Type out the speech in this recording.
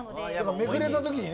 めくれた時にね